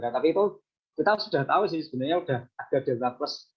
tapi itu kita sudah tahu sih sebenarnya sudah ada delta plus